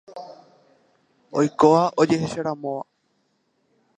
Oikóva ojehecharamóva.